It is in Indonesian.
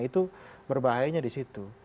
itu berbahayanya disitu